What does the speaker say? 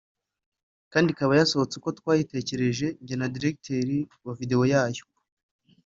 kandi ikaba yasohotse uko twayitekereje njye na director Wa video yayo